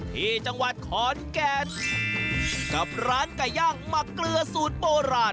ที่จังหวัดขอนแก่นกับร้านไก่ย่างหมักเกลือสูตรโบราณ